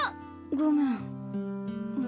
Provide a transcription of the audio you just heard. ごめん。